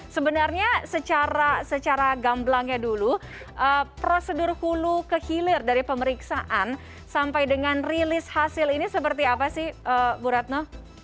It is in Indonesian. sebenarnya secara gamblangnya dulu prosedur hulu ke hilir dari pemeriksaan sampai dengan rilis hasil ini seperti apa sih bu retno